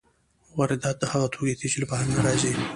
واردات هغه توکي دي چې له بهر نه راځي.